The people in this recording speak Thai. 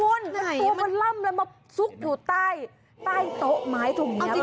มันตัวมันล่ำมันมาซุกอยู่ใต้ใต้โต๊ะไม้ตรงนี้แหละค่ะ